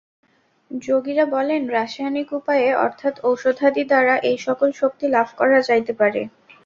যোগীরা বলেন, রাসায়নিক উপায়ে অর্থাৎ ঔষধাদি দ্বারা এই-সকল শক্তি লাভ করা যাইতে পারে।